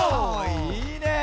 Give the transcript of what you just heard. いいね！